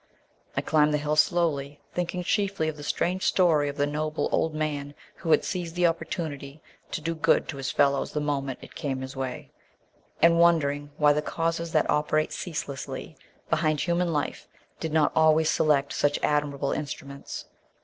I climbed the hill slowly, thinking chiefly of the strange story of the noble old man who had seized the opportunity to do good to his fellows the moment it came his way, and wondering why the causes that operate ceaselessly behind human life did not always select such admirable instruments.